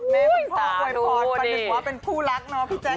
เม็ดพี่พ่อไว้พอดกันดีกว่าเป็นผู้รักเนาะพี่แจ๊ค